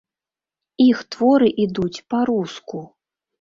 Іх творы ідуць па-руску.